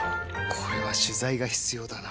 これは取材が必要だな。